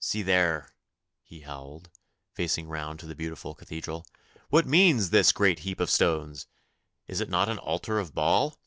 See there!' he howled, facing round to the beautiful Cathedral, 'what means this great heap of stones? Is it not an altar of Baal?